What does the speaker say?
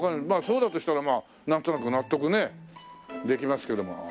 まあそうだとしたらまあなんとなく納得できますけども。